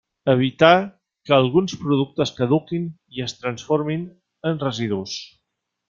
Evitar que alguns productes caduquin i es transformin en residus.